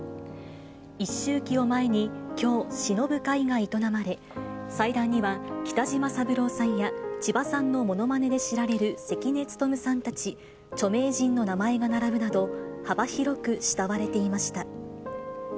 一周忌を前にきょう、しのぶ会が営まれ、祭壇には北島三郎さんや、千葉さんのものまねで知られる関根勤さんたち著名人の名前が並ぶなど、幅広く慕われていました。